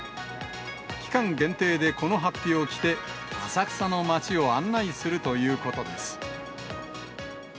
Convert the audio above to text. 期間限定でこのはっぴを着て、浅草の街を案内するということです。